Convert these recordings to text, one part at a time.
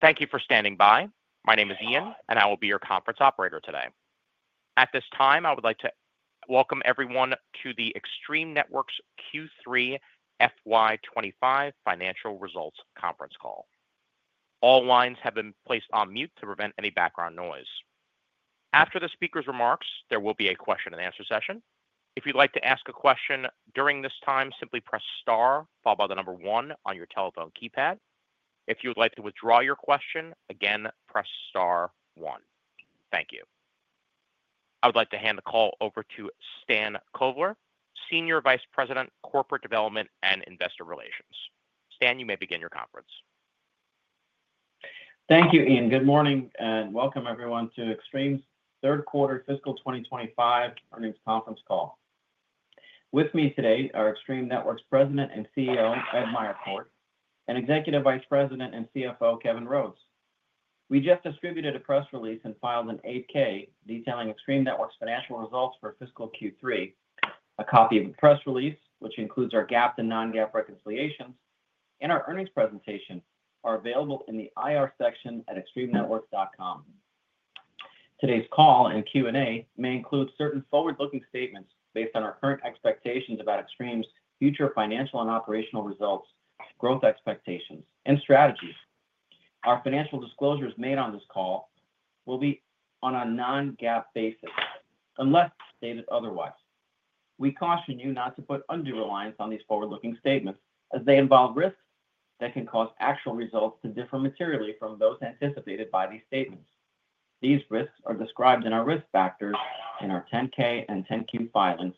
Thank you for standing by. My name is Ian, and I will be your conference operator today. At this time, I would like to welcome everyone to the Extreme Networks Q3 FY25 Financial Results Conference Call. All lines have been placed on mute to prevent any background noise. After the speaker's remarks, there will be a question-and-answer session. If you'd like to ask a question during this time, simply press star, followed by the number one on your telephone keypad. If you would like to withdraw your question, again, press star, one. Thank you. I would like to hand the call over to Stan Kovler, Senior Vice President, Corporate Development and Investor Relations. Stan, you may begin your conference. Thank you, Ian. Good morning and welcome, everyone, to Extreme's Third Quarter Fiscal 2025 Earnings Conference Call. With me today are Extreme Networks President and CEO, Ed Meyercord, and Executive Vice President and CFO, Kevin Rhodes. We just distributed a press release and filed an 8-K detailing Extreme Networks' financial results for Fiscal Q3. A copy of the press release, which includes our GAAP and non-GAAP reconciliations, and our earnings presentation, are available in the IR section at extremenetworks.com. Today's call and Q&A may include certain forward-looking statements based on our current expectations about Extreme's future financial and operational results, growth expectations, and strategies. Our financial disclosures made on this call will be on a non-GAAP basis unless stated otherwise. We caution you not to put undue reliance on these forward-looking statements as they involve risks that can cause actual results to differ materially from those anticipated by these statements. These risks are described in our risk factors in our 10-K and 10-Q filings,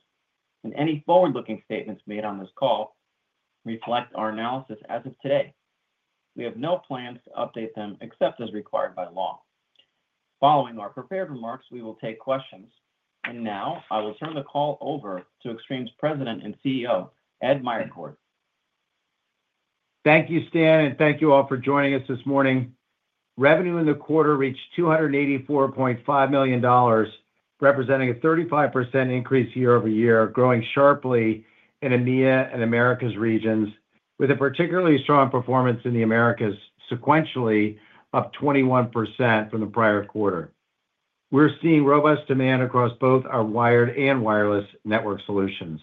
and any forward-looking statements made on this call reflect our analysis as of today. We have no plans to update them except as required by law. Following our prepared remarks, we will take questions. I will turn the call over to Extreme's President and CEO, Ed Meyercord. Thank you, Stan, and thank you all for joining us this morning. Revenue in the quarter reached $284.5 million, representing a 35% increase year-over-year, growing sharply in EMEA and Americas regions, with a particularly strong performance in the Americas, sequentially up 21% from the prior quarter. We're seeing robust demand across both our wired and wireless network solutions.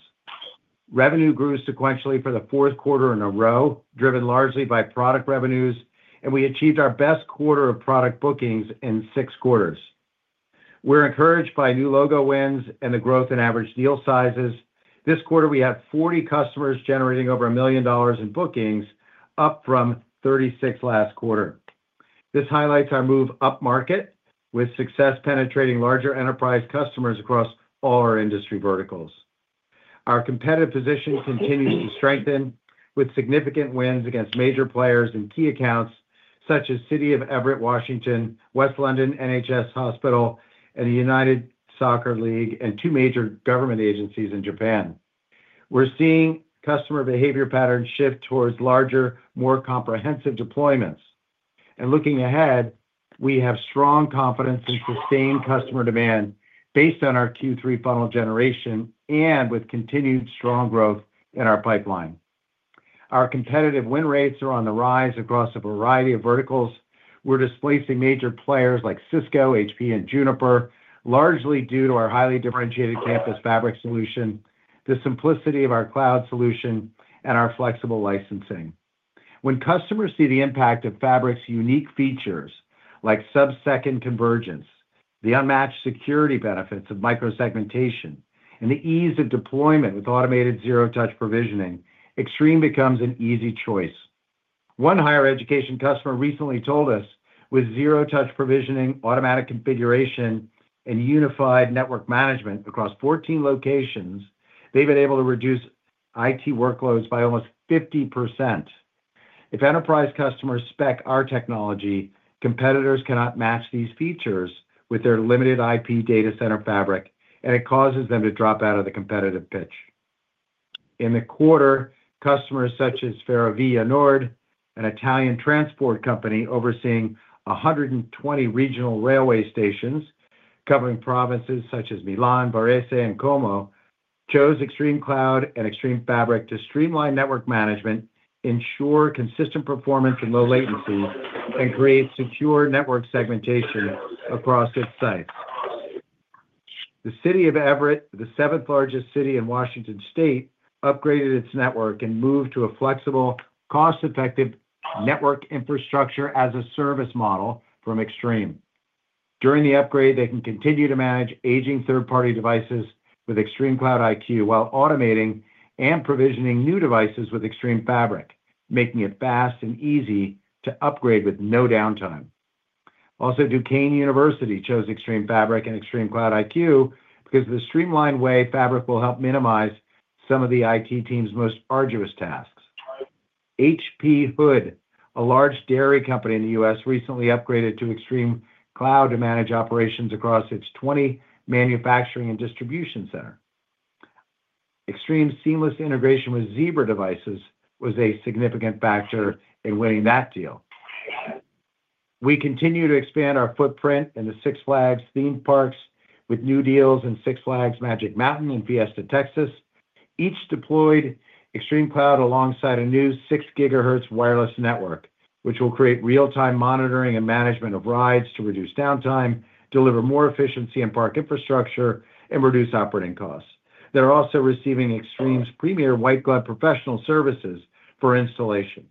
Revenue grew sequentially for the fourth quarter in a row, driven largely by product revenues, and we achieved our best quarter of product bookings in six quarters. We're encouraged by new logo wins and the growth in average deal sizes. This quarter, we had 40 customers generating over a million dollars in bookings, up from 36 last quarter. This highlights our move up market, with success penetrating larger enterprise customers across all our industry verticals. Our competitive position continues to strengthen with significant wins against major players and key accounts such as City of Everett, Washington, West London NHS Hospital, and the United Soccer League, and two major government agencies in Japan. We’re seeing customer behavior patterns shift towards larger, more comprehensive deployments. Looking ahead, we have strong confidence in sustained customer demand based on our Q3 funnel generation and with continued strong growth in our pipeline. Our competitive win rates are on the rise across a variety of verticals. We’re displacing major players like Cisco, HP, and Juniper, largely due to our highly differentiated campus fabric solution, the simplicity of our cloud solution, and our flexible licensing. When customers see the impact of Fabric’s unique features like subsecond convergence, the unmatched security benefits of microsegmentation, and the ease of deployment with automated zero-touch provisioning, Extreme becomes an easy choice. One higher education customer recently told us, "With zero-touch provisioning, automatic configuration, and unified network management across 14 locations, they've been able to reduce IT workloads by almost 50%." If enterprise customers spec our technology, competitors cannot match these features with their limited IP data center fabric, and it causes them to drop out of the competitive pitch. In the quarter, customers such as Ferrovienord, an Italian transport company overseeing 120 regional railway stations covering provinces such as Milan, Varese, and Como, chose ExtremeCloud and Extreme Fabric to streamline network management, ensure consistent performance and low latency, and create secure network segmentation across its sites. The City of Everett, the seventh largest city in Washington State, upgraded its network and moved to a flexible, cost-effective network infrastructure-as-a-service model from Extreme. During the upgrade, they can continue to manage aging third-party devices with ExtremeCloud IQ while automating and provisioning new devices with Extreme Fabric, making it fast and easy to upgrade with no downtime. Also, Duquesne University chose Extreme Fabric and ExtremeCloud IQ because of the streamlined way Fabric will help minimize some of the IT team's most arduous tasks. HP Hood, a large dairy company in the U.S., recently upgraded to ExtremeCloud to manage operations across its 20 manufacturing and distribution centers. Extreme's seamless integration with Zebra devices was a significant factor in winning that deal. We continue to expand our footprint in the Six Flags theme parks with new deals in Six Flags Magic Mountain and Fiesta Texas. Each deployed ExtremeCloud alongside a new 6 gigahertz wireless network, which will create real-time monitoring and management of rides to reduce downtime, deliver more efficiency in park infrastructure, and reduce operating costs. They’re also receiving Extreme’s premier white glove professional services for installation.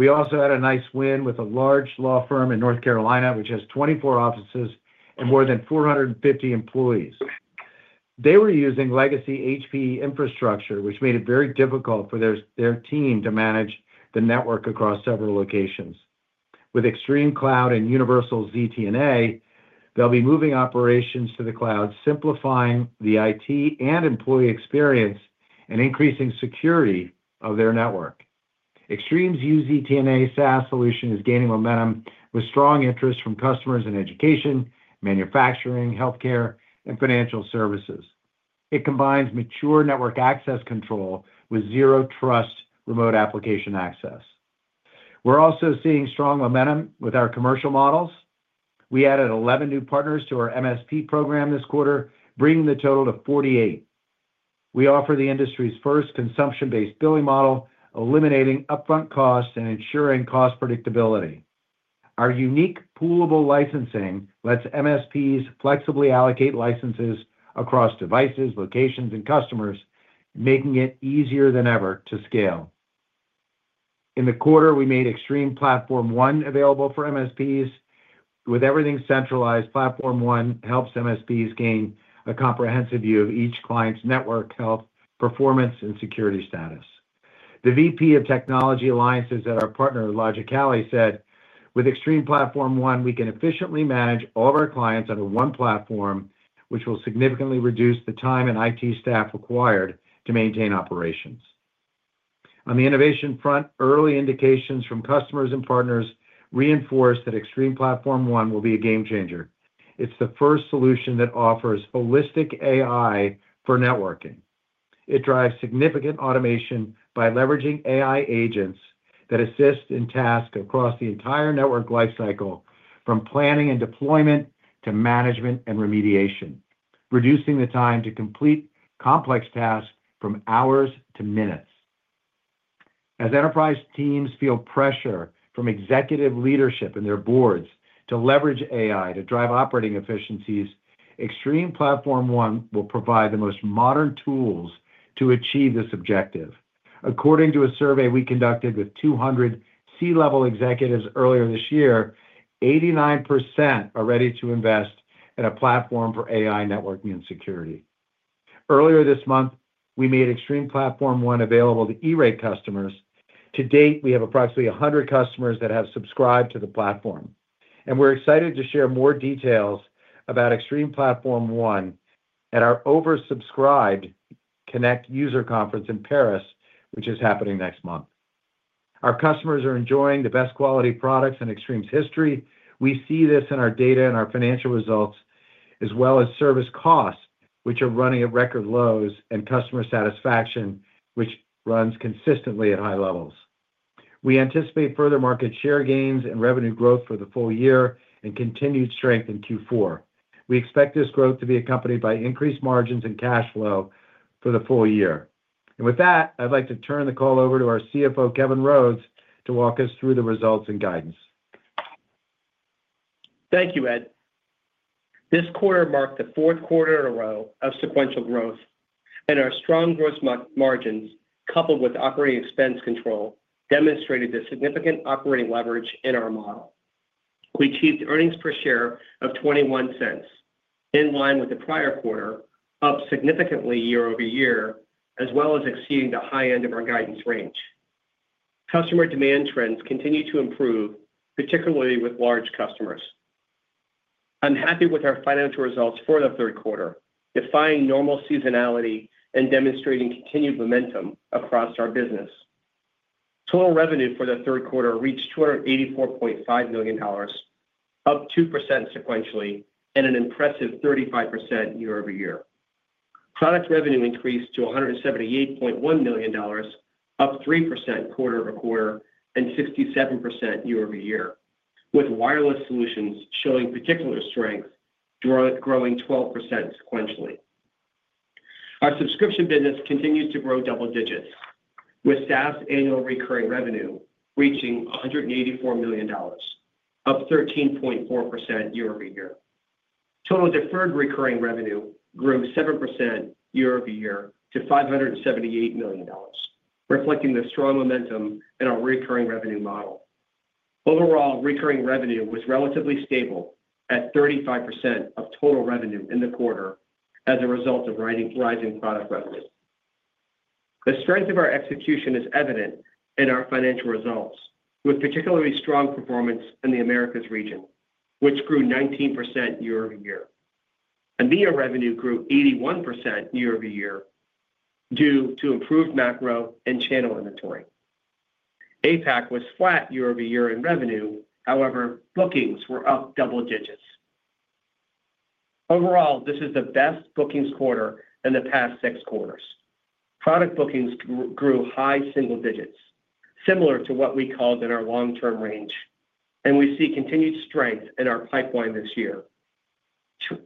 We also had a nice win with a large law firm in North Carolina, which has 24 offices and more than 450 employees. They were using legacy HPE infrastructure, which made it very difficult for their team to manage the network across several locations. With ExtremeCloud and Universal ZTNA, they’ll be moving operations to the cloud, simplifying the IT and employee experience and increasing security of their network. Extreme’s new ZTNA SaaS solution is gaining momentum with strong interest from customers in education, manufacturing, healthcare, and financial services. It combines mature network access control with zero-trust remote application access. We're also seeing strong momentum with our commercial models. We added 11 new partners to our MSP program this quarter, bringing the total to 48. We offer the industry's first consumption-based billing model, eliminating upfront costs and ensuring cost predictability. Our unique poolable licensing lets MSPs flexibly allocate licenses across devices, locations, and customers, making it easier than ever to scale. In the quarter, we made Extreme Platform ONE available for MSPs. With everything centralized, Platform One helps MSPs gain a comprehensive view of each client's network health, performance, and security status. The VP of Technology Alliances at our partner, Logicalis, said, "With Extreme Platform ONE, we can efficiently manage all of our clients under one platform, which will significantly reduce the time and IT staff required to maintain operations." On the innovation front, early indications from customers and partners reinforce that Extreme Platform ONE will be a game changer. It's the first solution that offers holistic AI for networking. It drives significant automation by leveraging AI agents that assist in tasks across the entire network lifecycle, from planning and deployment to management and remediation, reducing the time to complete complex tasks from hours to minutes. As enterprise teams feel pressure from executive leadership and their boards to leverage AI to drive operating efficiencies, Extreme Platform ONE will provide the most modern tools to achieve this objective. According to a survey we conducted with 200 C-level executives earlier this year, 89% are ready to invest in a platform for AI networking and security. Earlier this month, we made Extreme Platform ONE available to E-Rate customers. To date, we have approximately 100 customers that have subscribed to the platform. We are excited to share more details about Extreme Platform ONE at our oversubscribed Connect user conference in Paris, which is happening next month. Our customers are enjoying the best quality products in Extreme's history. We see this in our data and our financial results, as well as service costs, which are running at record lows, and customer satisfaction, which runs consistently at high levels. We anticipate further market share gains and revenue growth for the full year and continued strength in Q4. We expect this growth to be accompanied by increased margins and cash flow for the full year. With that, I'd like to turn the call over to our CFO, Kevin Rhodes, to walk us through the results and guidance. Thank you, Ed. This quarter marked the fourth quarter in a row of sequential growth, and our strong gross margins, coupled with operating expense control, demonstrated the significant operating leverage in our model. We achieved earnings per share of $0.21, in line with the prior quarter, up significantly year-over-year, as well as exceeding the high end of our guidance range. Customer demand trends continue to improve, particularly with large customers. I'm happy with our financial results for the third quarter, defying normal seasonality and demonstrating continued momentum across our business. Total revenue for the third quarter reached $284.5 million, up 2% sequentially and an impressive 35% year-over-year. Product revenue increased to $178.1 million, up 3% quarter-over-quarter and 67% year-over-year, with wireless solutions showing particular strength, growing 12% sequentially. Our subscription business continues to grow double digits, with SaaS annual recurring revenue reaching $184 million, up 13.4% year-over-year. Total deferred recurring revenue grew 7% year-over-year to $578 million, reflecting the strong momentum in our recurring revenue model. Overall, recurring revenue was relatively stable at 35% of total revenue in the quarter as a result of rising product revenue. The strength of our execution is evident in our financial results, with particularly strong performance in the Americas region, which grew 19% year-over-year. EMEA revenue grew 81% year-over-year due to improved macro and channel inventory. APAC was flat year-over-year in revenue; however, bookings were up double digits. Overall, this is the best bookings quarter in the past six quarters. Product bookings grew high single digits, similar to what we called in our long-term range, and we see continued strength in our pipeline this year.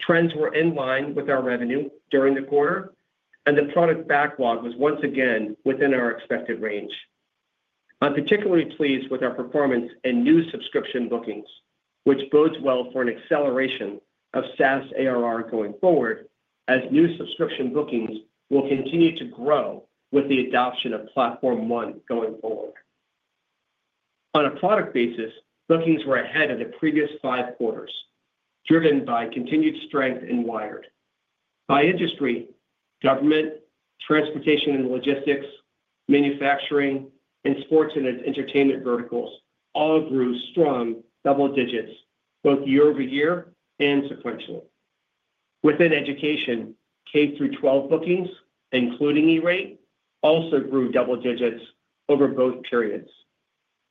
Trends were in line with our revenue during the quarter, and the product backlog was once again within our expected range. I'm particularly pleased with our performance in new subscription bookings, which bodes well for an acceleration of SaaS ARR going forward, as new subscription bookings will continue to grow with the adoption of Platform One going forward. On a product basis, bookings were ahead of the previous five quarters, driven by continued strength in Wired. By industry, government, transportation and logistics, manufacturing, and sports and entertainment verticals all grew strong double digits, both year-over-year and sequentially. Within education, K through 12 bookings, including E-Rate, also grew double digits over both periods.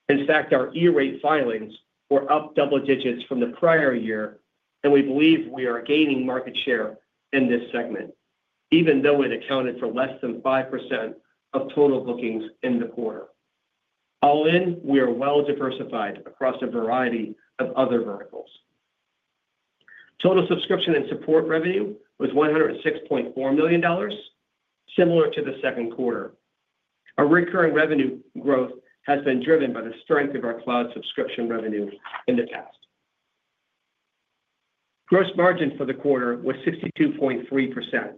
In fact, our E-Rate filings were up double digits from the prior year, and we believe we are gaining market share in this segment, even though it accounted for less than 5% of total bookings in the quarter. All in, we are well diversified across a variety of other verticals. Total subscription and support revenue was $106.4 million, similar to the second quarter. Our recurring revenue growth has been driven by the strength of our cloud subscription revenue in the past. Gross margin for the quarter was 62.3%.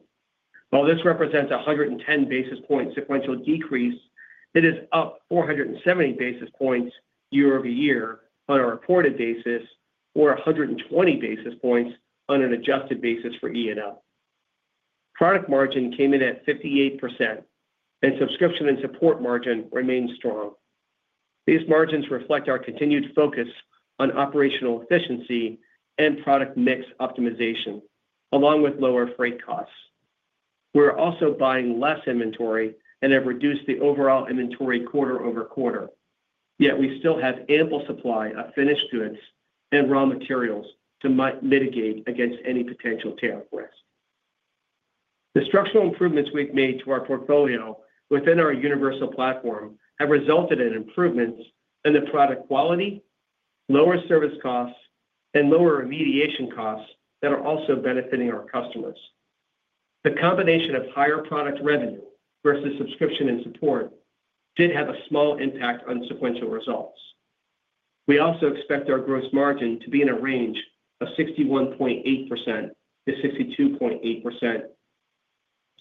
While this represents a 110 basis point sequential decrease, it is up 470 basis points year-over-year on a reported basis or 120 basis points on an adjusted basis for E&O. Product margin came in at 58%, and subscription and support margin remained strong. These margins reflect our continued focus on operational efficiency and product mix optimization, along with lower freight costs. We're also buying less inventory and have reduced the overall inventory quarter-over-quarter. Yet we still have ample supply of finished goods and raw materials to mitigate against any potential tariff risk. The structural improvements we've made to our portfolio within our Universal Platform have resulted in improvements in the product quality, lower service costs, and lower remediation costs that are also benefiting our customers. The combination of higher product revenue versus subscription and support did have a small impact on sequential results. We also expect our gross margin to be in a range of 61.8%-62.8%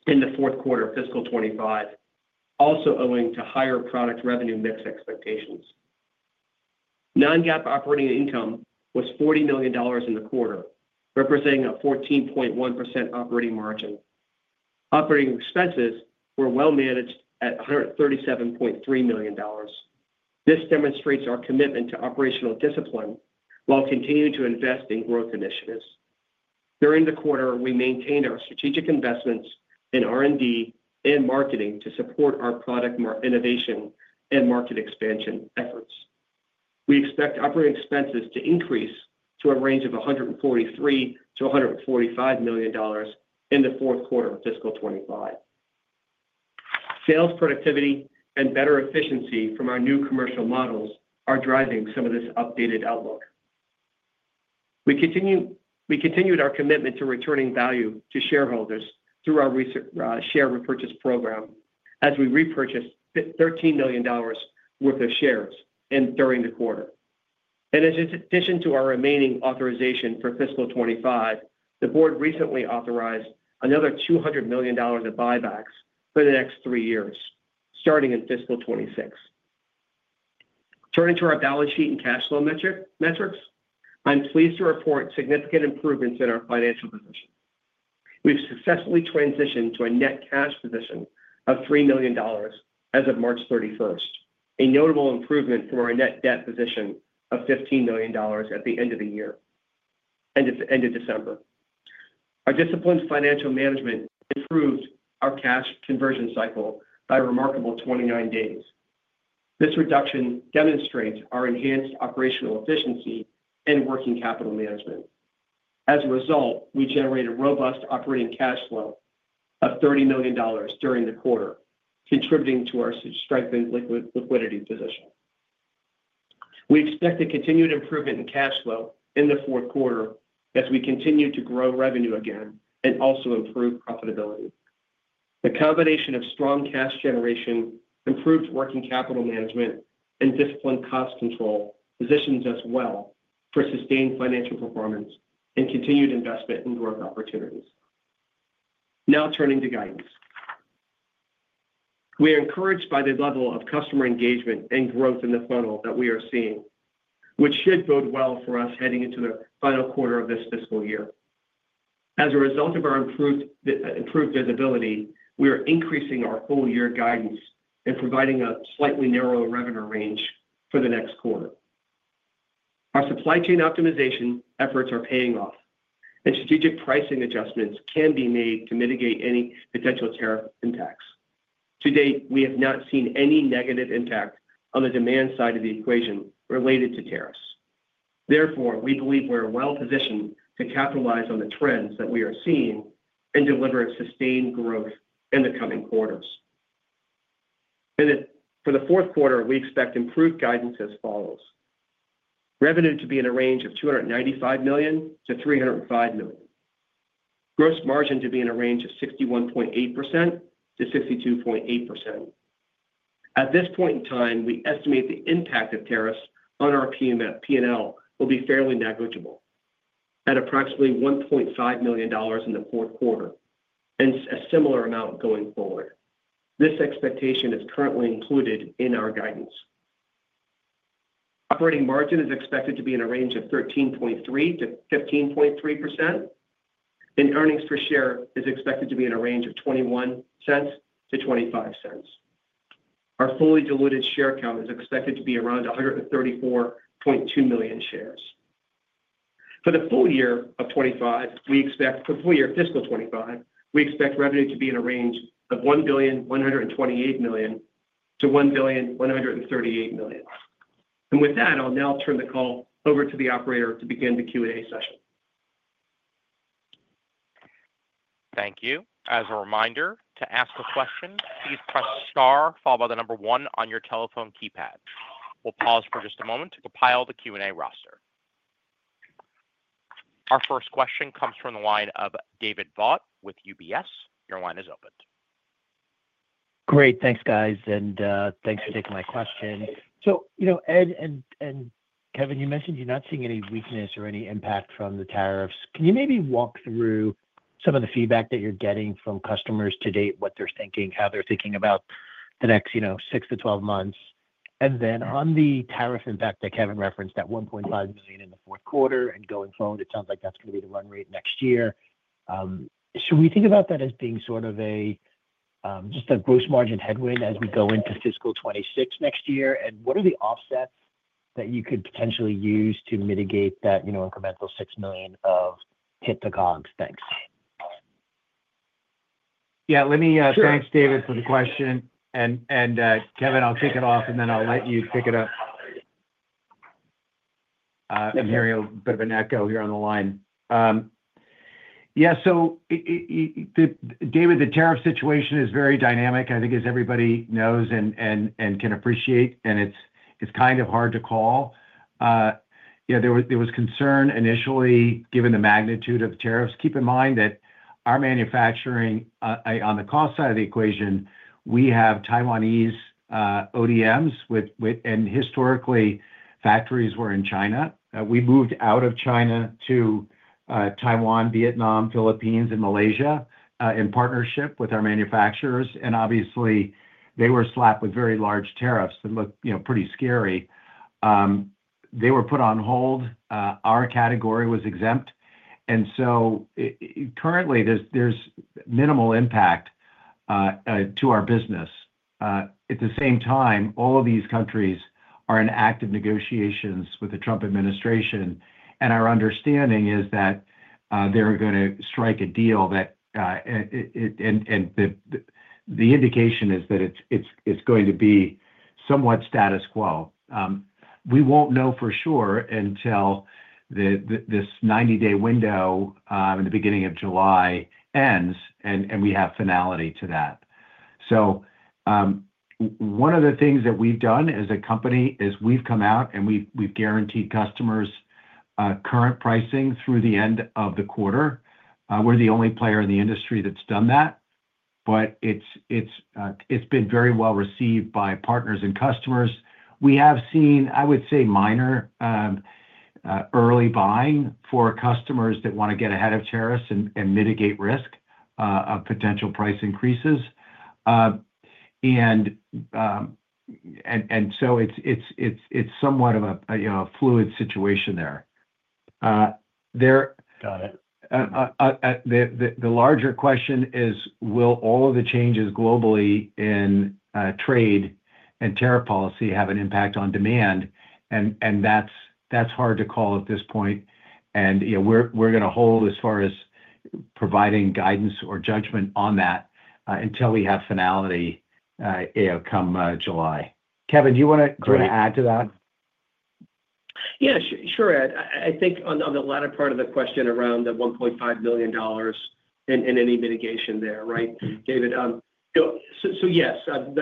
in the fourth quarter of fiscal 2025, also owing to higher product revenue mix expectations. Non-GAAP operating income was $40 million in the quarter, representing a 14.1% operating margin. Operating expenses were well managed at $137.3 million. This demonstrates our commitment to operational discipline while continuing to invest in growth initiatives. During the quarter, we maintained our strategic investments in R&D and marketing to support our product innovation and market expansion efforts. We expect operating expenses to increase to a range of $143 million-$145 million in the fourth quarter of fiscal 2025. Sales productivity and better efficiency from our new commercial models are driving some of this updated outlook. We continued our commitment to returning value to shareholders through our share repurchase program as we repurchased $13 million worth of shares during the quarter. In addition to our remaining authorization for fiscal 2025, the board recently authorized another $200 million of buybacks for the next three years, starting in fiscal 2026. Turning to our balance sheet and cash flow metrics, I'm pleased to report significant improvements in our financial position. We've successfully transitioned to a net cash position of $3 million as of March 31, a notable improvement from our net debt position of $15 million at the end of the year and at the end of December. Our disciplined financial management improved our cash conversion cycle by a remarkable 29 days. This reduction demonstrates our enhanced operational efficiency and working capital management. As a result, we generated robust operating cash flow of $30 million during the quarter, contributing to our strengthened liquidity position. We expect a continued improvement in cash flow in the fourth quarter as we continue to grow revenue again and also improve profitability. The combination of strong cash generation, improved working capital management, and disciplined cost control positions us well for sustained financial performance and continued investment in growth opportunities. Now turning to guidance. We are encouraged by the level of customer engagement and growth in the funnel that we are seeing, which should bode well for us heading into the final quarter of this fiscal year. As a result of our improved visibility, we are increasing our full-year guidance and providing a slightly narrower revenue range for the next quarter. Our supply chain optimization efforts are paying off, and strategic pricing adjustments can be made to mitigate any potential tariff impacts. To date, we have not seen any negative impact on the demand side of the equation related to tariffs. Therefore, we believe we're well positioned to capitalize on the trends that we are seeing and deliver a sustained growth in the coming quarters. For the fourth quarter, we expect improved guidance as follows: revenue to be in a range of $295 million-$305 million, gross margin to be in a range of 61.8%-62.8%. At this point in time, we estimate the impact of tariffs on our P&L will be fairly negligible at approximately $1.5 million in the fourth quarter and a similar amount going forward. This expectation is currently included in our guidance. Operating margin is expected to be in a range of 13.3%-15.3%, and earnings per share is expected to be in a range of $0.21-$0.25. Our fully diluted share count is expected to be around 134.2 million shares. For the full year of 2025, we expect for the full year of fiscal 2025, we expect revenue to be in a range of $1,128 million-$1,138 million. With that, I'll now turn the call over to the operator to begin the Q&A session. Thank you. As a reminder, to ask a question, please press star followed by the number one on your telephone keypad. We'll pause for just a moment to compile the Q&A roster. Our first question comes from the line of David Vogt with UBS. Your line is opened. Great. Thanks, guys. Thanks for taking my question. Ed and Kevin, you mentioned you're not seeing any weakness or any impact from the tariffs. Can you maybe walk through some of the feedback that you're getting from customers to date, what they're thinking, how they're thinking about the next 6 to 12 months? On the tariff impact that Kevin referenced, that $1.5 million in the fourth quarter and going forward, it sounds like that's going to be the run rate next year. Should we think about that as being sort of just a gross margin headwind as we go into fiscal 2026 next year? What are the offsets that you could potentially use to mitigate that incremental $6 million of hit to the COGS. Thanks. Yeah. Thanks, David, for the question. Kevin, I'll kick it off, then I'll let you pick it up. I'm hearing a bit of an echo here on the line. Yeah. David, the tariff situation is very dynamic, I think, as everybody knows and can appreciate, and it's kind of hard to call. There was concern initially given the magnitude of the tariffs. Keep in mind that our manufacturing on the cost side of the equation, we have Taiwanese ODMs, and historically, factories were in China. We moved out of China to Taiwan, Vietnam, Philippines, and Malaysia in partnership with our manufacturers. Obviously, they were slapped with very large tariffs that looked pretty scary. They were put on hold. Our category was exempt. Currently, there's minimal impact to our business. At the same time, all of these countries are in active negotiations with the Trump administration, and our understanding is that they're going to strike a deal, and the indication is that it's going to be somewhat status quo. We won't know for sure until this 90-day window in the beginning of July ends, and we have finality to that. One of the things that we've done as a company is we've come out, and we've guaranteed customers current pricing through the end of the quarter. We're the only player in the industry that's done that, but it's been very well received by partners and customers. We have seen, I would say, minor early buying for customers that want to get ahead of tariffs and mitigate risk of potential price increases. It is somewhat of a fluid situation there. The larger question is, will all of the changes globally in trade and tariff policy have an impact on demand? That's hard to call at this point. We're going to hold as far as providing guidance or judgment on that until we have finality come July. Kevin, do you want to add to that? Yeah. Sure. I think on the latter part of the question around the $1.5 million and any mitigation there, right, David? Yes,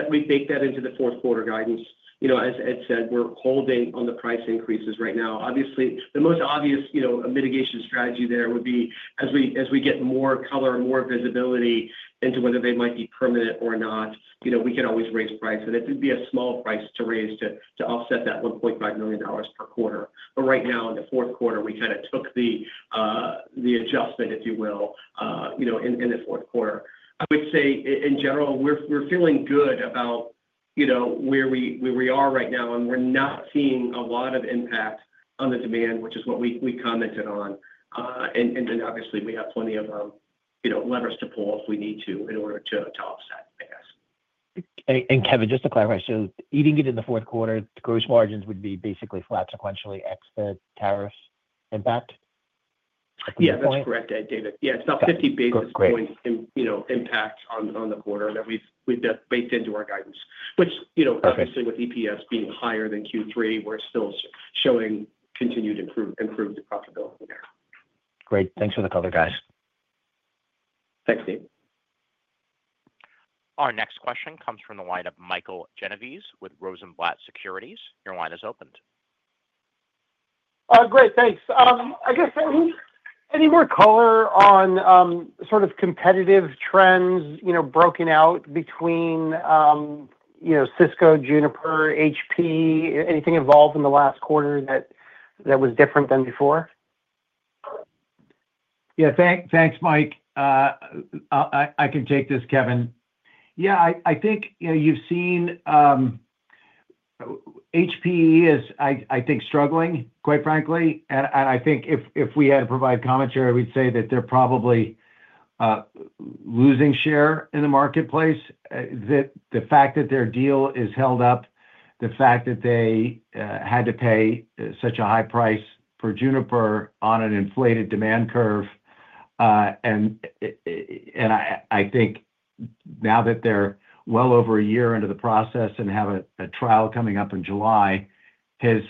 we baked that into the fourth quarter guidance. As Ed said, we're holding on the price increases right now. Obviously, the most obvious mitigation strategy there would be, as we get more color, more visibility into whether they might be permanent or not, we can always raise price. It would be a small price to raise to offset that $1.5 million per quarter. Right now, in the fourth quarter, we kind of took the adjustment, if you will, in the fourth quarter. I would say, in general, we're feeling good about where we are right now, and we're not seeing a lot of impact on the demand, which is what we commented on. Obviously, we have plenty of levers to pull if we need to in order to offset, I guess. Kevin, just to clarify, so eating it in the fourth quarter, the gross margins would be basically flat sequentially ex the tariff impact? Yeah. That's correct, David. Yeah. It's about 50 basis points impact on the quarter that we've baked into our guidance. Obviously, with EPS being higher than Q3, we're still showing continued improved profitability there. Great. Thanks for the color, guys. Thanks, Steve. Our next question comes from the line of Michael Genovese with Rosenblatt Securities. Your line is opened. Great. Thanks. I guess any more color on sort of competitive trends broken out between Cisco, Juniper, HP? Anything evolve in the last quarter that was different than before? Yeah. Thanks, Mike. I can take this, Kevin. Yeah. I think you've seen HPE is, I think, struggling, quite frankly. I think if we had to provide commentary, we'd say that they're probably losing share in the marketplace. The fact that their deal is held up, the fact that they had to pay such a high price for Juniper on an inflated demand curve. I think now that they're well over a year into the process and have a trial coming up in July, has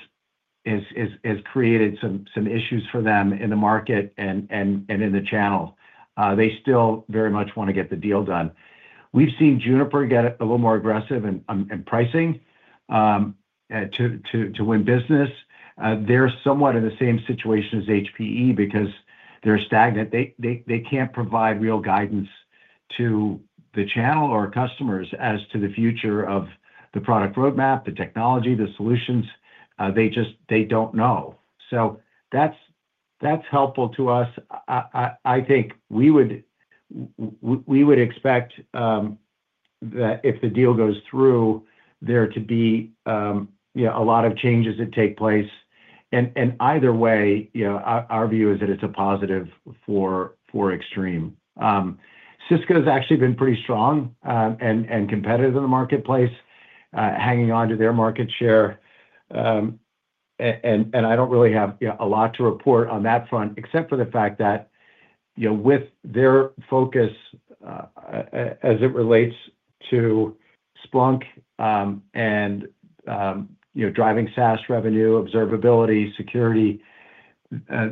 created some issues for them in the market and in the channel. They still very much want to get the deal done. We've seen Juniper get a little more aggressive in pricing to win business. They're somewhat in the same situation as HPE because they're stagnant. They can't provide real guidance to the channel or customers as to the future of the product roadmap, the technology, the solutions. They don't know. That's helpful to us. I think we would expect that if the deal goes through, there to be a lot of changes that take place. Either way, our view is that it's a positive for Extreme. Cisco has actually been pretty strong and competitive in the marketplace, hanging on to their market share. I don't really have a lot to report on that front, except for the fact that with their focus as it relates to Splunk and driving SaaS revenue, observability, security,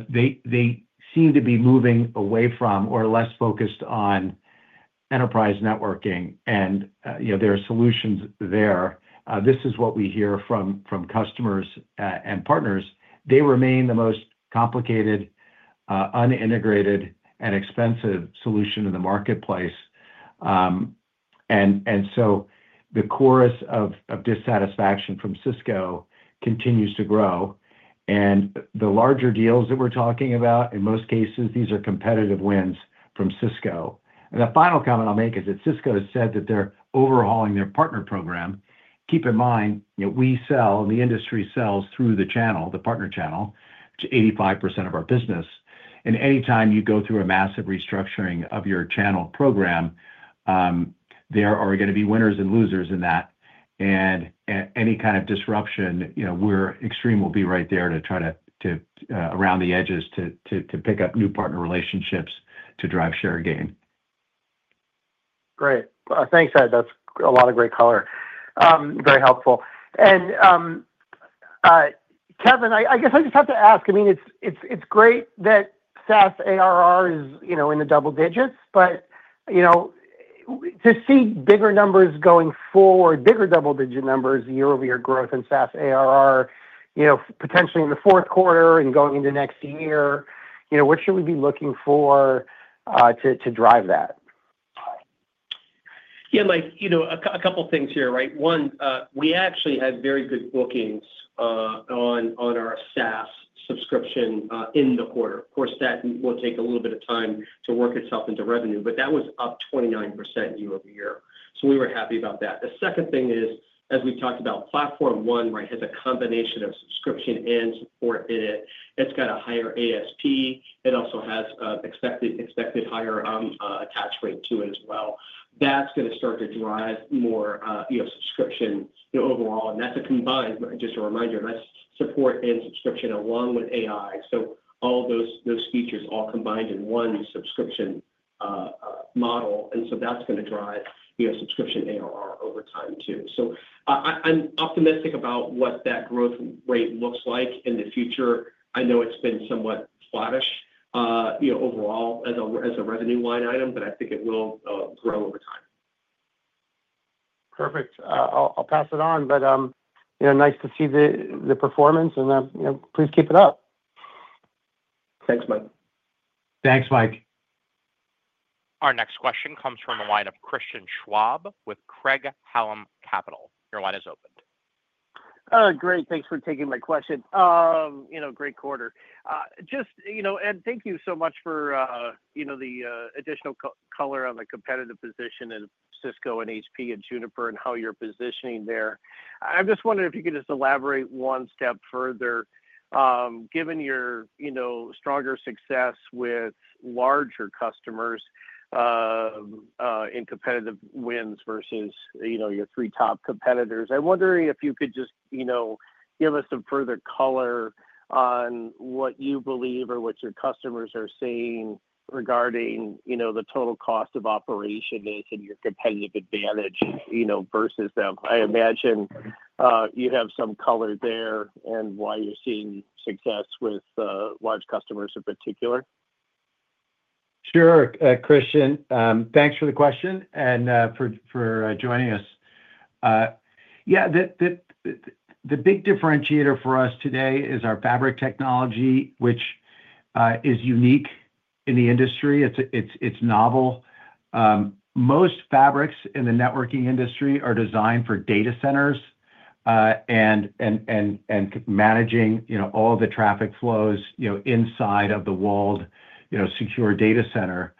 they seem to be moving away from or less focused on enterprise networking. There are solutions there. This is what we hear from customers and partners. They remain the most complicated, unintegrated, and expensive solution in the marketplace. The chorus of dissatisfaction from Cisco continues to grow. The larger deals that we're talking about, in most cases, these are competitive wins from Cisco. The final comment I'll make is that Cisco has said that they're overhauling their partner program. Keep in mind, we sell and the industry sells through the channel, the partner channel, to 85% of our business. Anytime you go through a massive restructuring of your channel program, there are going to be winners and losers in that. Any kind of disruption, we're Extreme will be right there to try to around the edges to pick up new partner relationships to drive share gain. Great. Thanks, Ed. That's a lot of great color. Very helpful. Kevin, I guess I just have to ask. I mean, it's great that SaaS ARR is in the double digits, but to see bigger numbers going forward, bigger double-digit numbers, year-over-year growth in SaaS ARR, potentially in the fourth quarter and going into next year, what should we be looking for to drive that? Yeah. A couple of things here, right? One, we actually had very good bookings on our SaaS subscription in the quarter. Of course, that will take a little bit of time to work itself into revenue, but that was up 29% year-over-year. We were happy about that. The second thing is, as we talked about, Platform One, right, has a combination of subscription and support in it. It has a higher ASP. It also has expected higher attach rate to it as well. That is going to start to drive more subscription overall. That is a combined, just a reminder, that is support and subscription along with AI. All those features all combined in one subscription model. That is going to drive subscription ARR over time too. I am optimistic about what that growth rate looks like in the future. I know it's been somewhat sloppish overall as a revenue line item, but I think it will grow over time. Perfect. I'll pass it on, but nice to see the performance, and please keep it up. Thanks, Mike. Thanks, Mike. Our next question comes from the line of Christian Schwab with Craig-Hallum Capital. Your line is opened. Great. Thanks for taking my question. Great quarter. Thank you so much for the additional color on the competitive position in Cisco and HP and Juniper and how you're positioning there. I'm just wondering if you could just elaborate one step further. Given your stronger success with larger customers in competitive wins versus your three top competitors, I'm wondering if you could just give us some further color on what you believe or what your customers are seeing regarding the total cost of operation is and your competitive advantage versus them. I imagine you have some color there and why you're seeing success with large customers in particular. Sure, Christian. Thanks for the question and for joining us. Yeah. The big differentiator for us today is our fabric technology, which is unique in the industry. It's novel. Most fabrics in the networking industry are designed for data centers and managing all the traffic flows inside of the walled secure data center.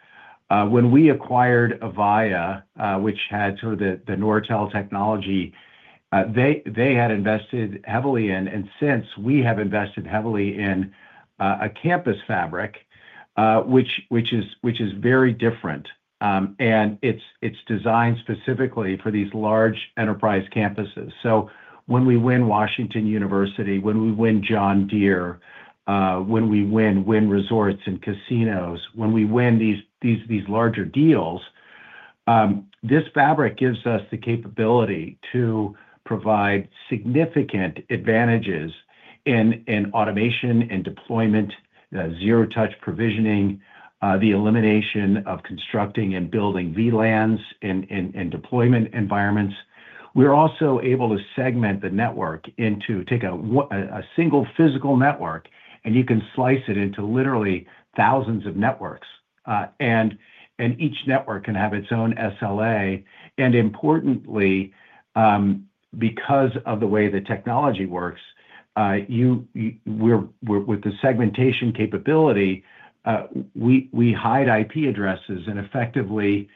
When we acquired Avaya, which had sort of the Nortel technology, they had invested heavily in, and since we have invested heavily in a campus fabric, which is very different. It's designed specifically for these large enterprise campuses. When we win Washington University, when we win John Deere, when we win resorts and casinos, when we win these larger deals, this fabric gives us the capability to provide significant advantages in automation and deployment, zero-touch provisioning, the elimination of constructing and building VLANs and deployment environments. We're also able to segment the network into a single physical network, and you can slice it into literally thousands of networks. Each network can have its own SLA. Importantly, because of the way the technology works, with the segmentation capability, we hide IP addresses, and effectively,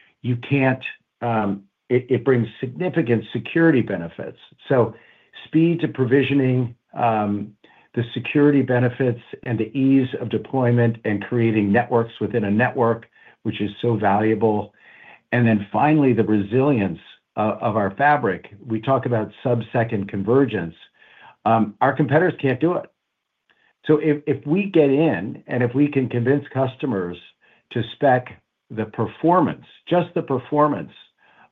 it brings significant security benefits. Speed to provisioning, the security benefits, and the ease of deployment and creating networks within a network, which is so valuable. Finally, the resilience of our fabric. We talk about subsecond convergence. Our competitors can't do it. If we get in and if we can convince customers to spec the performance, just the performance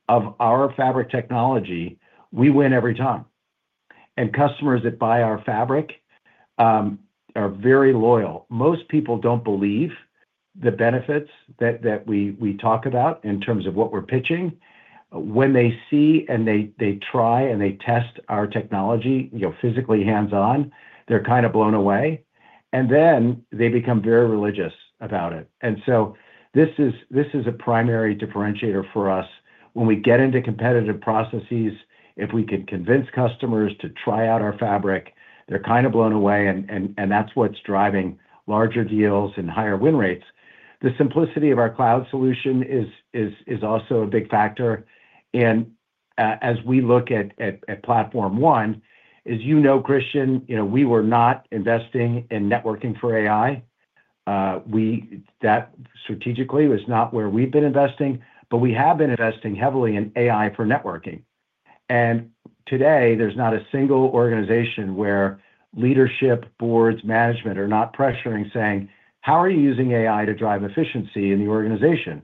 of our fabric technology, we win every time. Customers that buy our fabric are very loyal. Most people don't believe the benefits that we talk about in terms of what we're pitching. When they see and they try and they test our technology physically hands-on, they're kind of blown away. They become very religious about it. This is a primary differentiator for us. When we get into competitive processes, if we can convince customers to try out our fabric, they're kind of blown away, and that's what's driving larger deals and higher win rates. The simplicity of our cloud solution is also a big factor. As we look at Platform One, as you know, Christian, we were not investing in networking for AI. Strategically, it was not where we've been investing, but we have been investing heavily in AI for networking. Today, there's not a single organization where leadership, boards, management are not pressuring saying, "How are you using AI to drive efficiency in the organization?"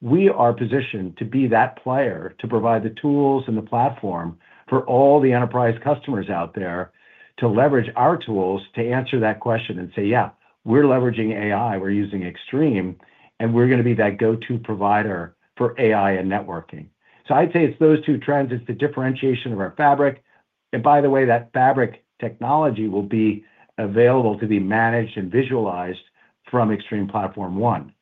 We are positioned to be that player to provide the tools and the platform for all the enterprise customers out there to leverage our tools to answer that question and say, "Yeah, we're leveraging AI. We're using Extreme, and we're going to be that go-to provider for AI and networking." I'd say it's those two trends. It's the differentiation of our fabric. By the way, that fabric technology will be available to be managed and visualized from Extreme Platform ONE,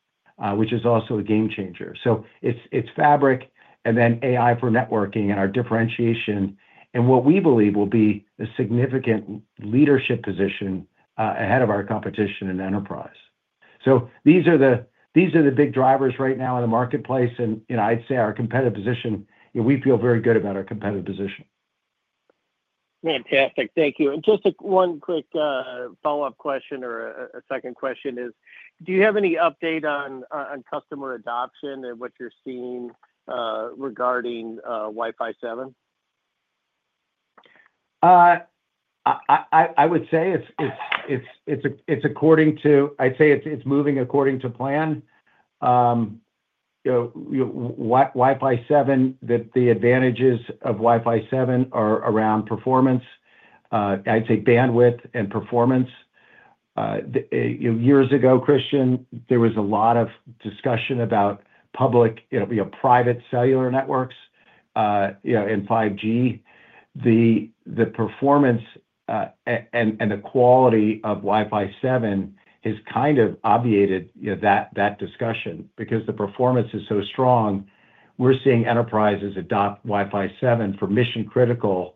which is also a game changer. It's fabric and then AI for networking and our differentiation and what we believe will be a significant leadership position ahead of our competition in enterprise. These are the big drivers right now in the marketplace. I'd say our competitive position, we feel very good about our competitive position. Fantastic. Thank you. Just one quick follow-up question or a second question is, do you have any update on customer adoption and what you're seeing regarding Wi-Fi 7? I would say it's moving according to plan. Wi-Fi 7, the advantages of Wi-Fi 7 are around performance. I'd say bandwidth and performance. Years ago, Christian, there was a lot of discussion about public, private cellular networks and 5G. The performance and the quality of Wi-Fi 7 has kind of obviated that discussion because the performance is so strong. We're seeing enterprises adopt Wi-Fi 7 for mission-critical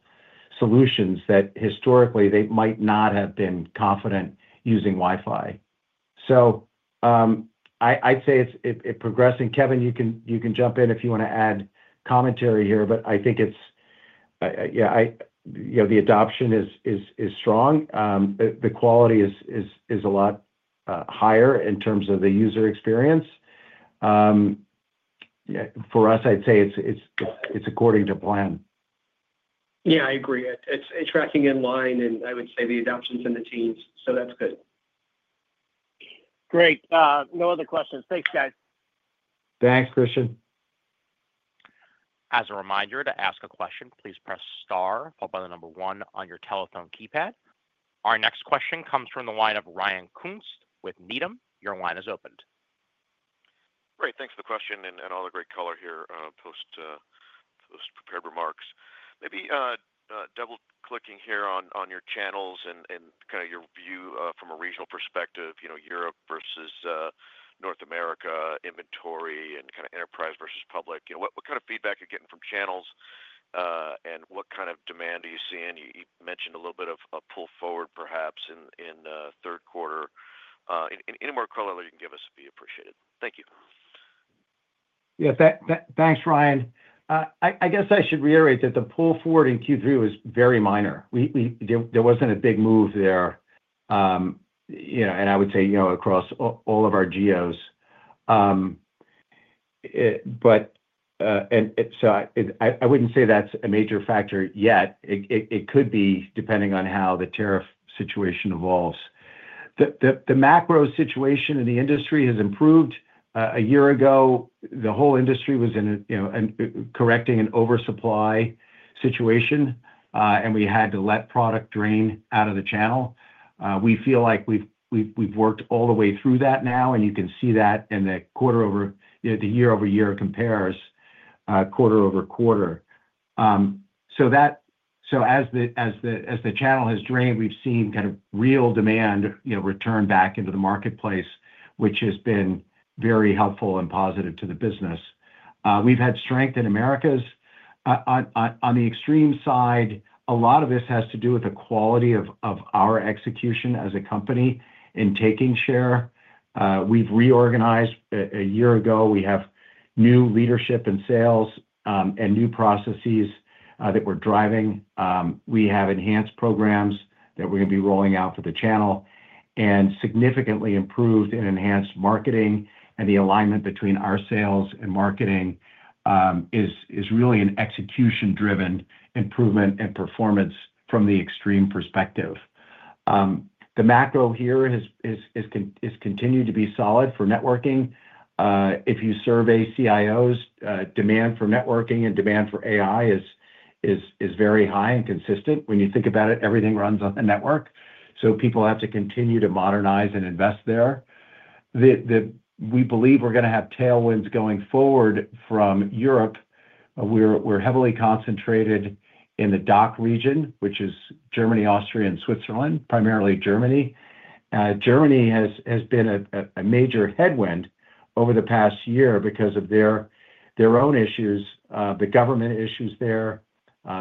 solutions that historically they might not have been confident using Wi-Fi. I'd say it's progressing. Kevin, you can jump in if you want to add commentary here, but I think it's, yeah, the adoption is strong. The quality is a lot higher in terms of the user experience. For us, I'd say it's according to plan. Yeah, I agree. It's tracking in line, and I would say the adoptions and the teams, so that's good. Great. No other questions. Thanks, guys. Thanks, Christian. As a reminder, to ask a question, please press star followed by the number one on your telephone keypad. Our next question comes from the line of Ryan Koontz with Needham. Your line is opened. Great. Thanks for the question and all the great color here post-prepared remarks. Maybe double-clicking here on your channels and kind of your view from a regional perspective, Europe versus North America inventory and kind of enterprise versus public. What kind of feedback are you getting from channels, and what kind of demand are you seeing? You mentioned a little bit of a pull forward, perhaps, in third quarter. Any more color that you can give us would be appreciated. Thank you. Yeah. Thanks, Ryan. I guess I should reiterate that the pull forward in Q3 was very minor. There wasn't a big move there, and I would say across all of our geos. I wouldn't say that's a major factor yet. It could be depending on how the tariff situation evolves. The macro situation in the industry has improved. A year ago, the whole industry was correcting an oversupply situation, and we had to let product drain out of the channel. We feel like we've worked all the way through that now, and you can see that in the quarter over the year-over-year compares, quarter-over-quarter. As the channel has drained, we've seen kind of real demand return back into the marketplace, which has been very helpful and positive to the business. We've had strength in Americas. On the Extreme side, a lot of this has to do with the quality of our execution as a company in taking share. We reorganized a year ago. We have new leadership and sales and new processes that we're driving. We have enhanced programs that we're going to be rolling out for the channel and significantly improved and enhanced marketing. The alignment between our sales and marketing is really an execution-driven improvement and performance from the Extreme perspective. The macro here has continued to be solid for networking. If you survey CIOs, demand for networking and demand for AI is very high and consistent. When you think about it, everything runs on the network. People have to continue to modernize and invest there. We believe we're going to have tailwinds going forward from Europe. We're heavily concentrated in the DACH region, which is Germany, Austria, and Switzerland, primarily Germany. Germany has been a major headwind over the past year because of their own issues, the government issues there.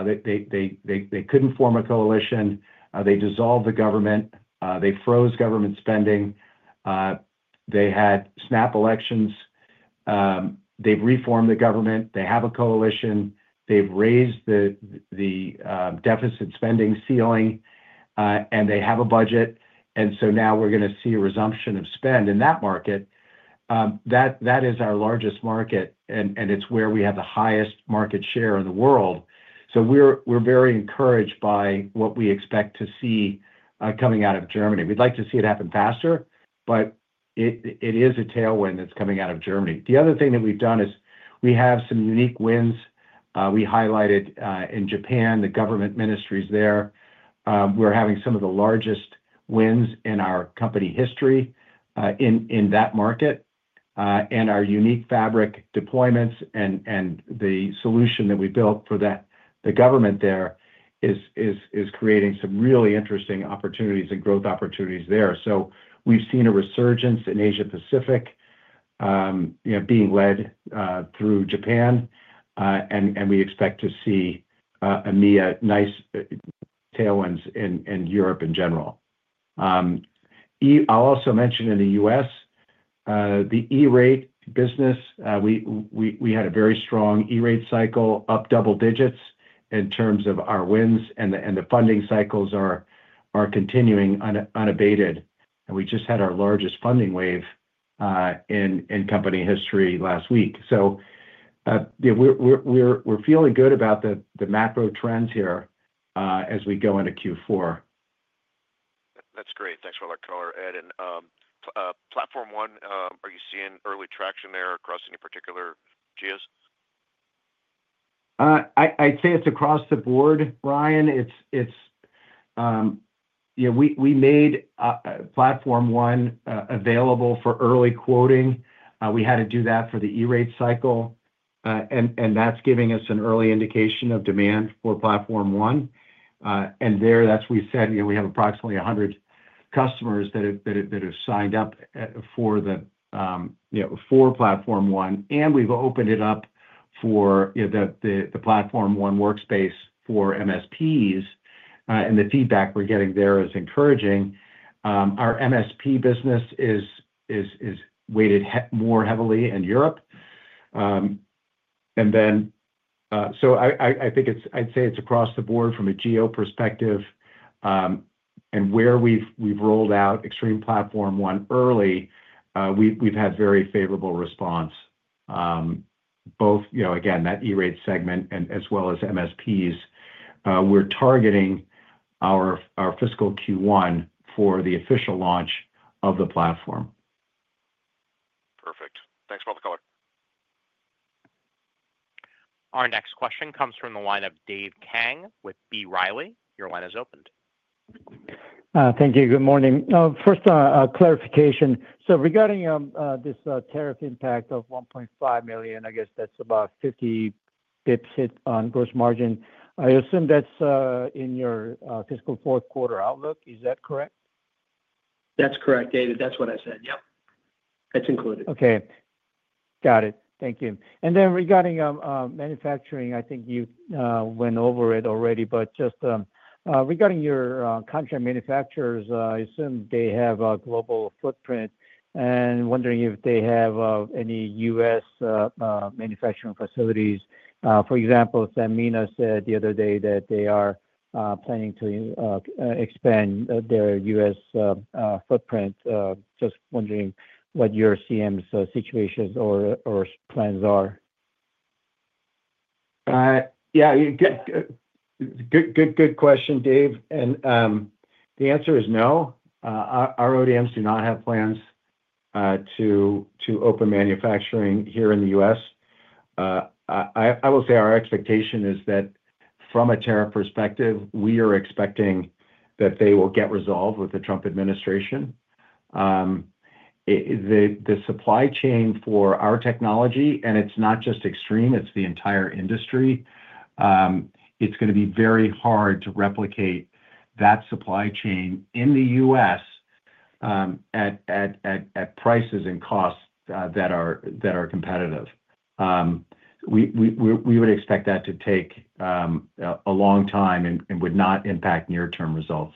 They couldn't form a coalition. They dissolved the government. They froze government spending. They had snap elections. They reformed the government. They have a coalition. They've raised the deficit spending ceiling, and they have a budget. Now we're going to see a resumption of spend in that market. That is our largest market, and it's where we have the highest market share in the world. We're very encouraged by what we expect to see coming out of Germany. We'd like to see it happen faster, but it is a tailwind that's coming out of Germany. The other thing that we've done is we have some unique wins. We highlighted in Japan, the government ministries there. We're having some of the largest wins in our company history in that market. Our unique fabric deployments and the solution that we built for the government there is creating some really interesting opportunities and growth opportunities there. We have seen a resurgence in Asia-Pacific being led through Japan, and we expect to see a nice tailwind in Europe in general. I'll also mention in the U.S., the E-Rate business, we had a very strong E-Rate cycle, up double digits in terms of our wins, and the funding cycles are continuing unabated. We just had our largest funding wave in company history last week. We are feeling good about the macro trends here as we go into Q4. That's great. Thanks for all that color, Ed. And Platform One, are you seeing early traction there across any particular geos? I'd say it's across the board, Ryan. We made Platform One available for early quoting. We had to do that for the E-Rate cycle, and that's giving us an early indication of demand for Platform One. There, as we said, we have approximately 100 customers that have signed up for Platform One. We've opened it up for the Platform One workspace for MSPs, and the feedback we're getting there is encouraging. Our MSP business is weighted more heavily in Europe. I think I'd say it's across the board from a geo perspective. Where we've rolled out Extreme Platform ONE early, we've had very favorable response, both, again, that E-Rate segment as well as MSPs. We're targeting our fiscal Q1 for the official launch of the platform. Perfect. Thanks for all the color. Our next question comes from the line of Dave Kang with B. Riley. Your line is opened. Thank you. Good morning. First, a clarification. Regarding this tariff impact of $1.5 million, I guess that's about 50 basis points on gross margin. I assume that's in your fiscal fourth quarter outlook. Is that correct? That's correct, David. That's what I said. Yep. That's included. Okay. Got it. Thank you. Regarding manufacturing, I think you went over it already, but just regarding your contract manufacturers, I assume they have a global footprint. I am wondering if they have any U.S. manufacturing facilities. For example, Sanmina said the other day that they are planning to expand their U.S. footprint. I am just wondering what your CM's situations or plans are. Yeah. Good question, Dave. The answer is no. Our ODMs do not have plans to open manufacturing here in the U.S. I will say our expectation is that from a tariff perspective, we are expecting that they will get resolved with the Trump administration. The supply chain for our technology, and it's not just Extreme, it's the entire industry, it's going to be very hard to replicate that supply chain in the U.S. at prices and costs that are competitive. We would expect that to take a long time and would not impact near-term results.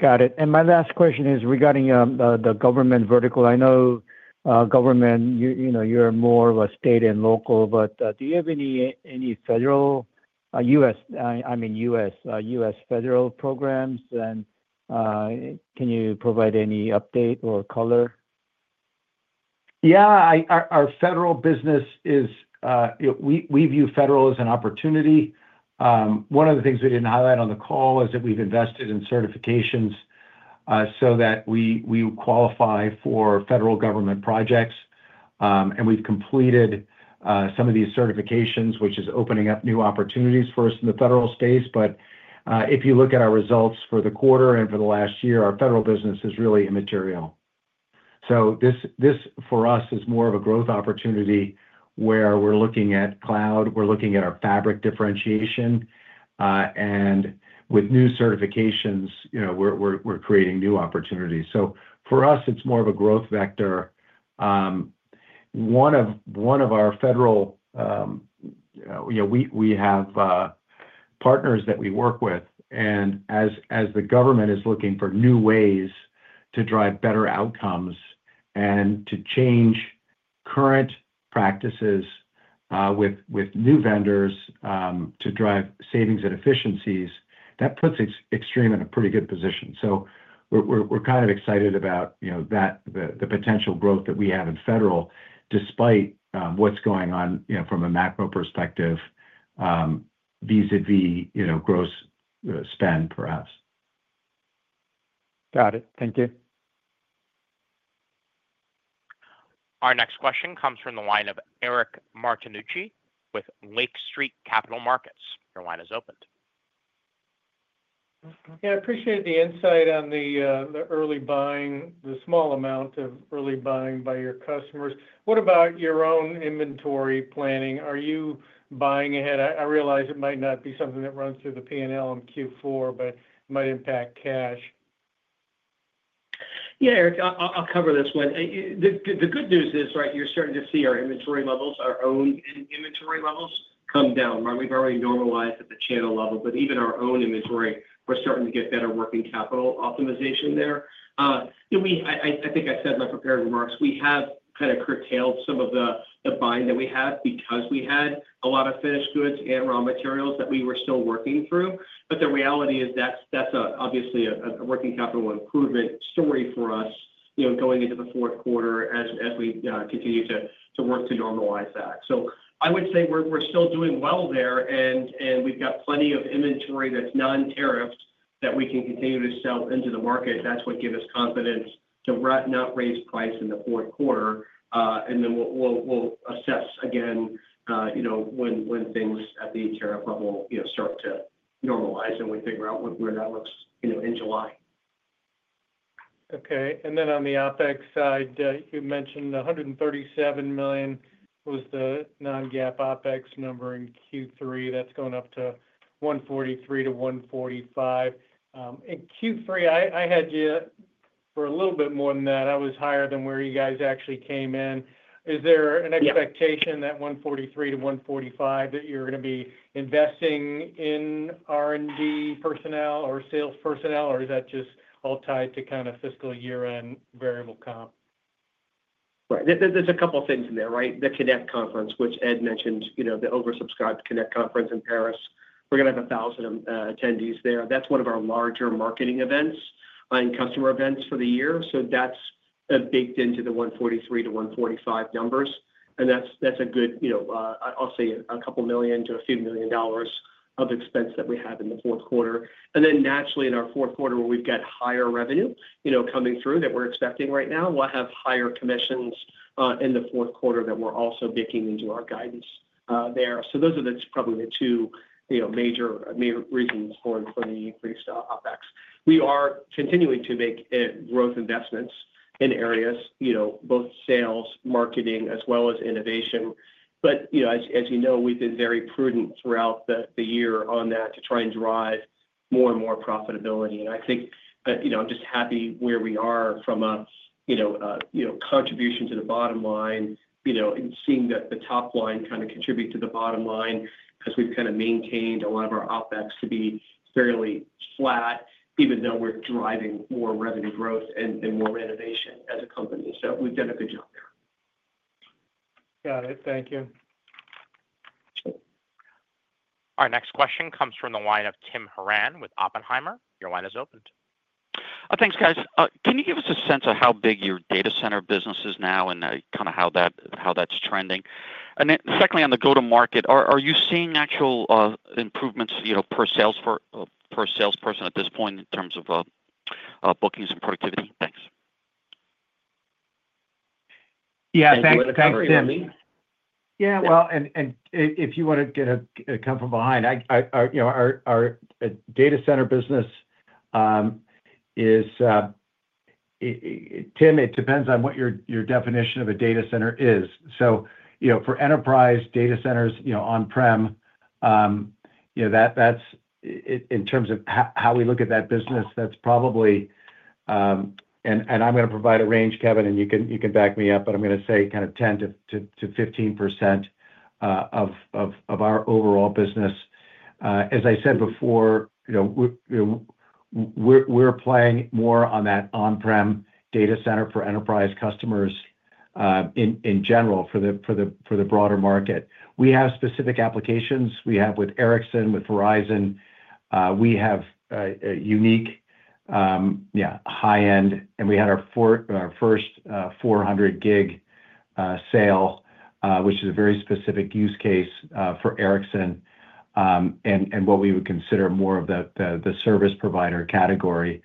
Got it. My last question is regarding the government vertical. I know government, you're more of a state and local, but do you have any U.S. federal programs? Can you provide any update or color? Yeah. Our federal business is we view federal as an opportunity. One of the things we did not highlight on the call is that we have invested in certifications so that we qualify for federal government projects. We have completed some of these certifications, which is opening up new opportunities for us in the federal space. If you look at our results for the quarter and for the last year, our federal business is really immaterial. This, for us, is more of a growth opportunity where we are looking at cloud, we are looking at our fabric differentiation. With new certifications, we are creating new opportunities. For us, it is more of a growth vector. One of our federal we have partners that we work with. As the government is looking for new ways to drive better outcomes and to change current practices with new vendors to drive savings and efficiencies, that puts Extreme in a pretty good position. We are kind of excited about the potential growth that we have in federal despite what is going on from a macro perspective vis-à-vis gross spend, perhaps. Got it. Thank you. Our next question comes from the line of Eric Martinuzzi with Lake Street Capital Markets. Your line is opened. Yeah. I appreciate the insight on the early buying, the small amount of early buying by your customers. What about your own inventory planning? Are you buying ahead? I realize it might not be something that runs through the P&L in Q4, but it might impact cash. Yeah, Eric, I'll cover this one. The good news is, right, you're starting to see our inventory levels, our own inventory levels come down. We've already normalized at the channel level, but even our own inventory, we're starting to get better working capital optimization there. I think I said in my prepared remarks, we have kind of curtailed some of the buying that we have because we had a lot of finished goods and raw materials that we were still working through. The reality is that's obviously a working capital improvement story for us going into the fourth quarter as we continue to work to normalize that. I would say we're still doing well there, and we've got plenty of inventory that's non-tariffed that we can continue to sell into the market. That's what gives us confidence to not raise price in the fourth quarter. We will assess again when things at the tariff level start to normalize and we figure out where that looks in July. Okay. On the OpEx side, you mentioned $137 million was the non-GAAP OpEx number in Q3. That is going up to $143 million-$145 million. In Q3, I had you for a little bit more than that. I was higher than where you guys actually came in. Is there an expectation that $143 million-$145 million that you are going to be investing in R&D personnel or sales personnel, or is that just all tied to kind of fiscal year-end variable comp? Right. There's a couple of things in there, right? The Connect Conference, which Ed mentioned, the oversubscribed Connect Conference in Paris. We're going to have 1,000 attendees there. That's one of our larger marketing events and customer events for the year. That's baked into the $143-$145 numbers. That's a good, I'll say, a couple of million to a few million dollars of expense that we have in the fourth quarter. Naturally, in our fourth quarter, where we've got higher revenue coming through that we're expecting right now, we'll have higher commissions in the fourth quarter that we're also baking into our guidance there. Those are probably the two major reasons for the increased OpEx. We are continuing to make growth investments in areas, both sales, marketing, as well as innovation. As you know, we've been very prudent throughout the year on that to try and drive more and more profitability. I think I'm just happy where we are from a contribution to the bottom line and seeing the top line kind of contribute to the bottom line as we've kind of maintained a lot of our OpEx to be fairly flat, even though we're driving more revenue growth and more innovation as a company. We've done a good job there. Got it. Thank you. Our next question comes from the line of Tim Horan with Oppenheimer. Your line is opened. Thanks, guys. Can you give us a sense of how big your data center business is now and kind of how that's trending? Secondly, on the go-to-market, are you seeing actual improvements per salesperson at this point in terms of bookings and productivity? Thanks. Yeah. Thanks, Tim. Yeah. If you want to come from behind, our data center business is, Tim, it depends on what your definition of a data center is. For enterprise data centers on-prem, in terms of how we look at that business, that's probably—and I'm going to provide a range, Kevin, and you can back me up—but I'm going to say kind of 10-15% of our overall business. As I said before, we're playing more on that on-prem data center for enterprise customers in general for the broader market. We have specific applications. We have with Ericsson, with Verizon. We have unique, yeah, high-end. We had our first 400 Gbps sale, which is a very specific use case for Ericsson and what we would consider more of the service provider category,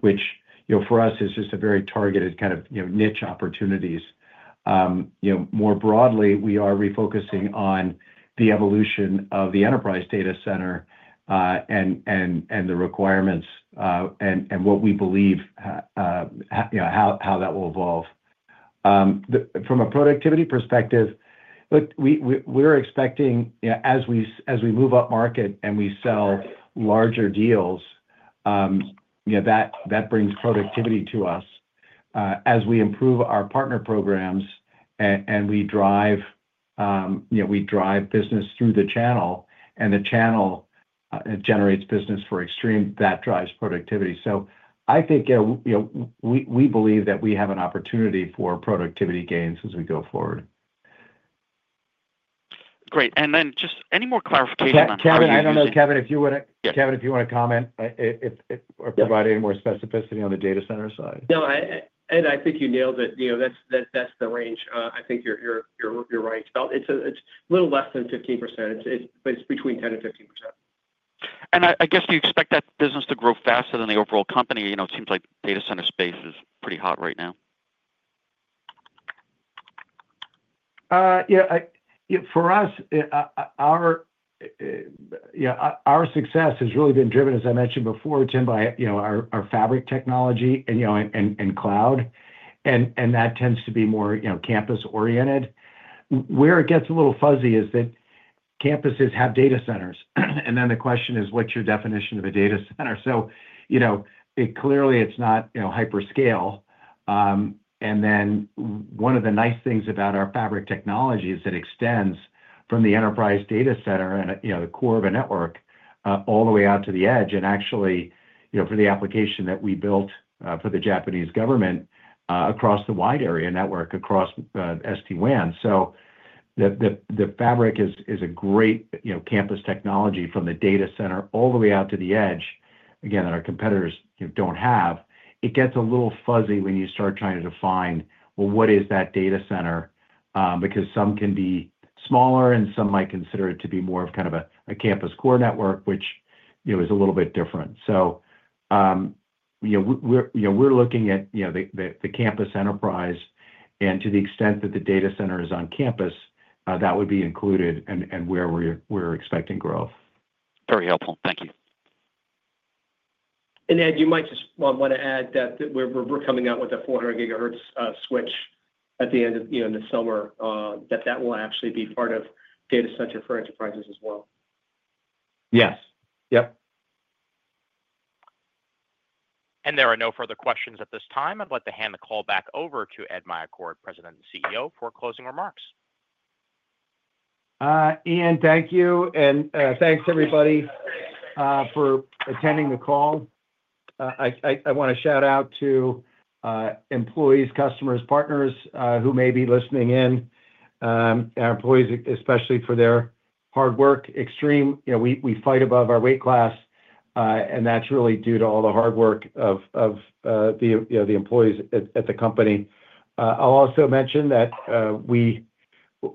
which for us is just a very targeted kind of niche opportunities. More broadly, we are refocusing on the evolution of the enterprise data center and the requirements and what we believe how that will evolve. From a productivity perspective, look, we're expecting as we move up market and we sell larger deals, that brings productivity to us. As we improve our partner programs and we drive business through the channel and the channel generates business for Extreme, that drives productivity. I think we believe that we have an opportunity for productivity gains as we go forward. Great. Is there any more clarification on that? Kevin, I don't know, Kevin, if you want to, Kevin, if you want to comment or provide any more specificity on the data center side. No, Ed, I think you nailed it. That's the range. I think you're right. It's a little less than 15%, but it's between 10 and 15%. I guess you expect that business to grow faster than the overall company. It seems like data center space is pretty hot right now. Yeah. For us, our success has really been driven, as I mentioned before, Tim, by our fabric technology and cloud. That tends to be more campus-oriented. Where it gets a little fuzzy is that campuses have data centers. The question is, what's your definition of a data center? Clearly, it's not hyperscale. One of the nice things about our fabric technology is it extends from the enterprise data center and the core of a network all the way out to the edge and actually for the application that we built for the Japanese government across the wide area network across SD-WAN. The fabric is a great campus technology from the data center all the way out to the edge, again, that our competitors don't have. It gets a little fuzzy when you start trying to define, well, what is that data center? Because some can be smaller and some might consider it to be more of kind of a campus core network, which is a little bit different. We are looking at the campus enterprise. To the extent that the data center is on campus, that would be included and where we are expecting growth. Very helpful. Thank you. Ed, you might just want to add that we're coming out with a 400 Gbps switch at the end of the summer, that that will actually be part of data center for enterprises as well. Yes. Yep. There are no further questions at this time. I'd like to hand the call back over to Ed Meyercord, President and CEO, for closing remarks. Ian, thank you. Thanks, everybody, for attending the call. I want to shout out to employees, customers, partners who may be listening in, our employees especially for their hard work. Extreme, we fight above our weight class, and that's really due to all the hard work of the employees at the company. I'll also mention that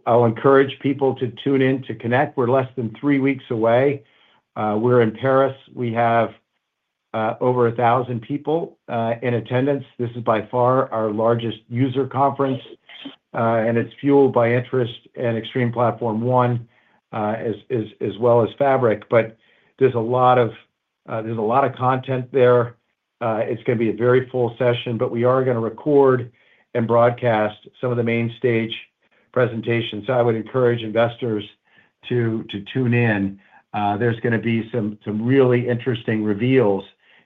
I'll encourage people to tune in to Connect. We're less than three weeks away. We're in Paris. We have over 1,000 people in attendance. This is by far our largest user conference, and it's fueled by interest in Extreme Platform ONE as well as Fabric. There is a lot of content there. It's going to be a very full session, but we are going to record and broadcast some of the main stage presentations. I would encourage investors to tune in. are going to be some really interesting reveals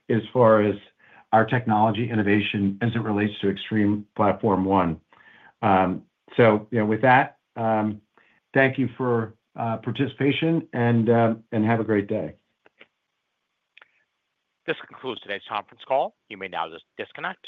as far as our technology innovation as it relates to Extreme Platform ONE. With that, thank you for your participation and have a great day. This concludes today's conference call. You may now disconnect.